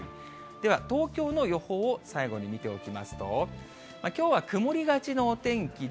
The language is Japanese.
では、東京の予報を最後に見ておきますと、きょうは曇りがちのお天気で、